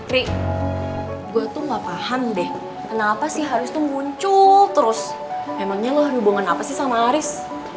rin gua tuh enggak paham deh kenapa sih haris tuh muncul terus emangnya lo hubungan apa sih sama haris